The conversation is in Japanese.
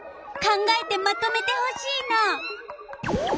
考えてまとめてほしいの。